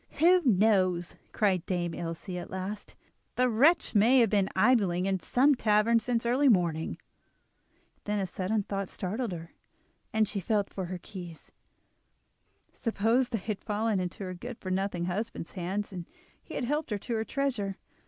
"Who knows?" cried Dame Ilse at last, "the wretch may have been idling in some tavern since early morning." Then a sudden thought startled her, and she felt for her keys. Suppose they had fallen into her good for nothing husband's hands and he had helped himself to her treasure!